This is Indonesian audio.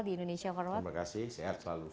terima kasih sehat selalu